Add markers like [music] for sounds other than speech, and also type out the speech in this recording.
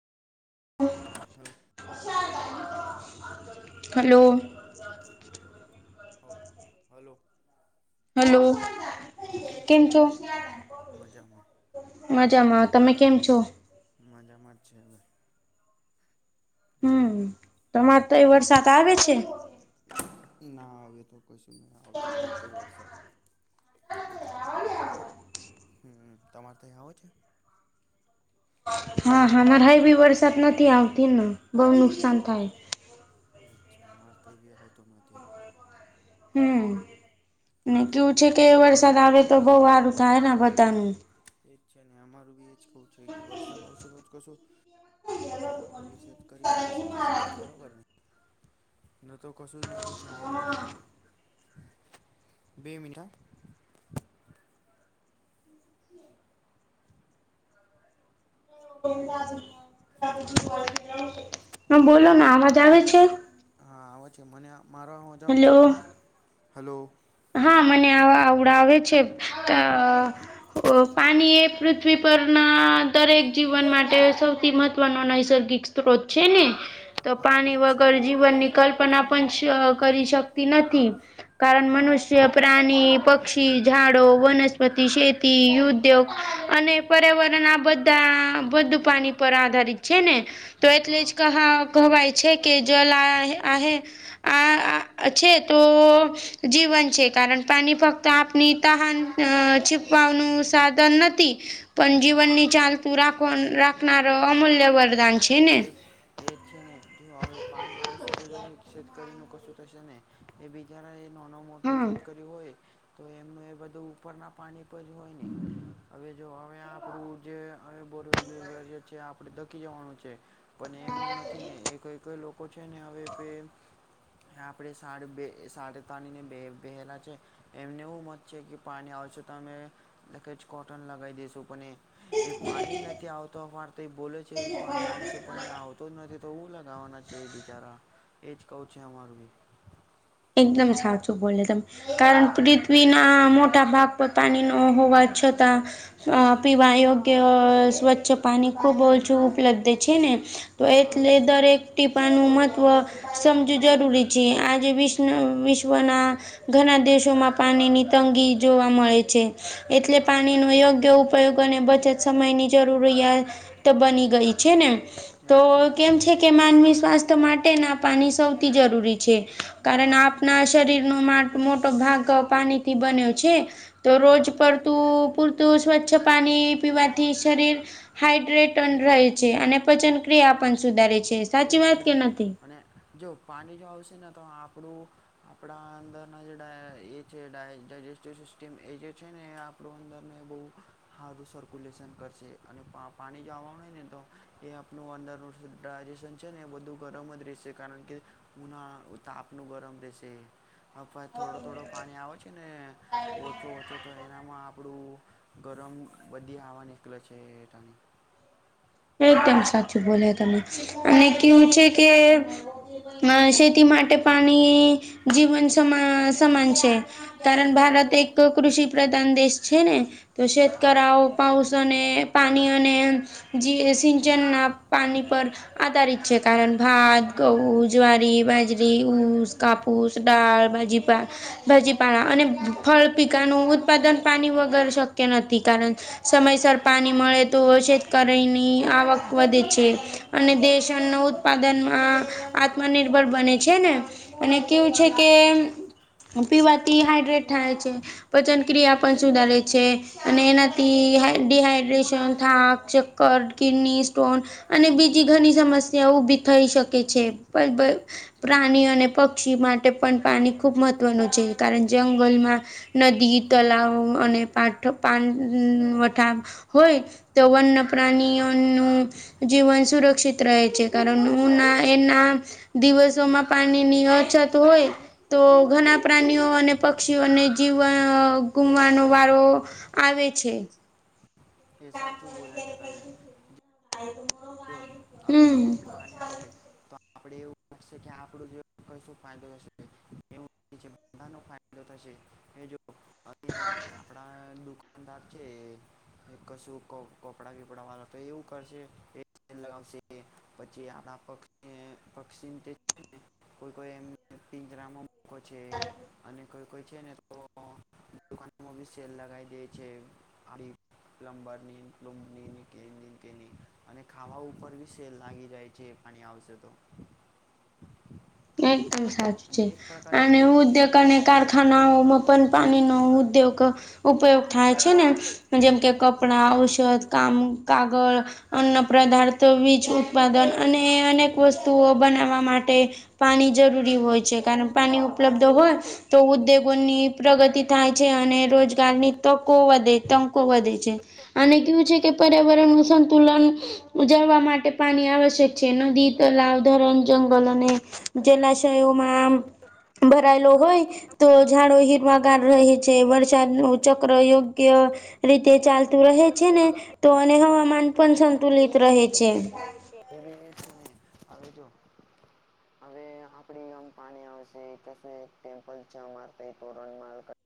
[unintelligible] Hello. હવ hello. Hello. હા કેમ છો? મજામાં. મજામાં તમે કેમ છો? મજામાં જ છે હવે. એવું. તમાર તય વરસાદ આવે છે? ના આવે તો કશું નહીં આવતો અમારે તે વરસાદ. [inaudible] હમ્મ તમારે તહીં આવે છે? હા હા મરા હાઈબી વરસાદ નથી આવતી નો બહુ નુકસાન થાય. એ જ જ્યા માર તય બી હાવતો નથી. હમ્મ ને કેવું છે કે વરસાદ આવે તો બહુ હારું થાયને બધાનું. એજ છે ને અમારું બી એજ કવું છે કે વરસાદ આવશે તો જ કશો એ શત કરીનું કશું થશે ને બરોબરને? ન તો કશું જ નથી થવાનું એ તો બે મિનિટ હા. હલો હ બોલોના અવાજ આવે છે? હા આવે છે મને મારો મજા આવે છે હલો તમને હલો. હા મને આ આવડાવે છે. ઓ પાની એ પૃથ્વી પરના દરેક જીવન માટે સૌથી મહત્ત્વનો નૈસર્ગિક તો કોક છેને? તો હા પાણી એજ છે વગર જીવનની કલ્પના પણ શ કરી શકતી નથી. કારણ હા મનુષ્ય કે પ્રાણી, પક્ષી, ઝાડો, વનસ્પતિ, શેતી ઉદ્યોગ અને પર્યાવરણ આ બધા બધું પાણી પર આધારિત છે ને તો એટલે જ હા કહા કહવાય છે કે જ લ આહ આહે આ આ છે તો જીવન છે કારણ પાણી ફક્ત આપની તહાન અ છીપવાનું સાધન નથી. પણ હા જીવનની ચાલતું રાખવાન રાખનાર અમૂલ્ય વરદાન છે ને. એ એ જ છે ને જો હવે પાણી આવશે તોજ હવ શેતકરીનું કશું થશે ને. એ બીજા એ નાનો મોટો હા શતકરી હોય તો એમનું એ બધું ઉપરના પાણી. ઉપ હોય ન હવે. જો હવે આપણું જે હવે બોરવેલી છે આપડે ધકી જવાનું છે. પણ એમનું નથી ને એઈ લોકો છે ને હવે કે. આપણે સા સાડ તાણીને બેહેલા છે એમને એવું મત છે કે. પાણી આવશે તો અમે લખ જ કોટન લગાવી દઈશું પણ. એ પાણી નથી આવતો ફર તો એ બોલે છે પાણી આવશે. પણ એ આવતો જ નથી તો હું લગાવવાના છે એ બિચારા એજ કહ છે અમારું બી. એકદમ સાચું બોલ્યા તમને. કારણ પૃથ્વીના મોટા ભાગ પર પાણી ન હોવા છતાં. અ પીવા યોગ્ય સ્વચ્છ પાણી ખૂબ ઓછું ઉપલબ્ધ છે ને. તો હા એટલે દરેક ટીપાનું મહત્વ સમજવ જરૂરી છે આજે વિશ- વિશ્વના ઘણા દેશોમાં પાણીની તંગી જોવા મળે છે. એટલે હા પાણી ન હા યોગ્ય ઉપયોગ અને બચત સમયની જરૂરિયાત. તો બની ગઈ છે ને. તો એ જ છે ને કેમ છે કે માનવી સ્વાસ્થ્ય માટે ના પાણી સૌથી જરૂરી છે. કારણ હા આપણા શરીર નો મા મોટો ભાગ પાણીથી બન્યો છે. તો રોજ હા પડતું પૂરતું સ્વચ્છ પાણી પીવાથી શરીર. હાઈડ્રેટ પણ રહે છે અને પચન ક્રિયા પણ સુધારે છે. સાચી એ છે વાત કે ને નથી અને જો. પાણી જો આવશે ને તો આપણું આપણા અંદરના જે એ છે ડ ડાયજસ્ટ. સિસ્ટિમ એ જે છે ને એ આપણું અંદરને બહુ હારુ સર્ક્યુલેશન કરશે. અને પા પાણી જો આવવાનું હોય ને તો એ આપણું અંદર ડાયજેશન. છે ને એ બધું ગરમજ રહેશે કારણ કે ઉના તાપનું ગરમ રહેશે. હ થોડો થોડો પાણી આવે છે ને ઓછો ઓછો. તો એનામાં આપણું ગરમ બધી આવાનીશ્કલે છે તોની. એકદમ સાચું બોલે તમે અને કેવું છે કે. અ શેતી માટે પાણી જીવન સમા સમાન છે. કારણ ભારત એક કૃષિ પ્રધાન દેશ છે ને. તો શેતકઓ હા પાઉસ અને પાણી અને. જેી સિંચન ના પણી પર. આધારિત છે કારણ ભાત ગઉ જ્વારી બાજરી સ કાપ. ફુસ ડળ ભાજી પા. ભાજીપળા અને ફળ પિકાનું ઉત્પાદન પાણી વગર શક્ય નથી કારણ. સમયસર પાણી મળે તો હોય છે. કરીની આવક વધે છે અને દેશ અન્ન ઉત્પાદનમાં. આત્મનિર્ભર બને છે ને અને કેવું છે કે. પીવાથી હાઇડ્રેટ થાય છે. પચન ક્રિયા પણ સુધારે છે અને એનાથી ડીહાઈડ્રેશન થાક ચક્કર કિડની સ્ટોન. અને બીજી ઘણી સમસ્યા ઉભી થઈ શકે છે પણ. પ્રાણી અને પક્ષી માટે પણ પાણી ખૂબ મહત્વનું છે કારણ જંગલમાં. નદી તલાવ અને પા પા વઠા. હોય તો. પ્રાણીઓનું જીવન સુરક્ષિત રહે છે કારણ એના. દિવસોમાં પાણીની અછત હોય. તો ઘણા પ્રાણીઓ અને પક્ષીઓને જીવ ગુમવાનો વારો. આવે છે. એ સાચું બોલા છે તમે. આવી રી હમ આપણે પાણી આવજે તો આપડે એવું લાગશે કે આપડું જો ક શું ફાયદો થશે [unintelligible] નાનો ફાયદો થશે એ જો અને આપડા દુકાનદાર છે કશું કપડા કપડા વાળા તો એવું કરશે એ લગાવશે એ પછી આપ પ પક્ષી [unintelligible] કોઈ કોઈ એમ પિંજરામાં છે અને કોઈ કોઈ છે ને મોટુ સેલ લગાઇ દે છે એ પ્લમબર ની કંપની કેવી કેવી અને ખાવા ઉપર બી સેલ લાગી જાય છે અને આવશે તો એકદમ સાચે જે છે એક પ્રકારે અને એવું છે ઉદ્યોગ અને જો ઉનાળામાં કારખાનાઓમાં પણ અહીં નો ઉદ્યોગ ઉપયોગ થાય છે ને જેમ કે કપડા ઔષધ કામ કાગળ અન્ન પદાર્થો બીજું ઉત્પાદન અને અનેક વસ્તુઓ બનાવવા માટે પાણી જરૂરી હોય છે કારણ પાણી ઉપલબ્ધ હોય તો ઉદ્યોગોની પ્રગતિ થાય છે અને રોજગારની તકો વધે તકો વધે છે. અને કેવું છે કે પર્યાવરણનું સંતુલન ઉજવવા માટે પાણી આવશ્યક છે નદી તલાવ ધરણ જંગલ અને જલાશયોમાં ભરાયેલો હોય તો ઝાડો હીરમાંગ રહે છે વરસાદ નું ચક્ર યોગ્ય રીતે ચાલતું રહે છે ને તો અને હવામાન પણ સંતુલિત રહે છે આવેજો [inaudible] હવે આપડી આમ પાણી આવશે શું ટેમ્પલ છે અમા તોરણ માલ